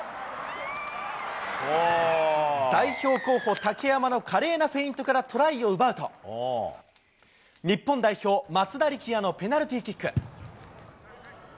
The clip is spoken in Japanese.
代表候補、竹山の華麗なフェイントからトライを奪うと、日本代表、松田力也のペナルティーキック。